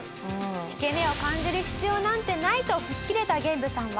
引け目を感じる必要なんてないと吹っ切れたゲンブさんは。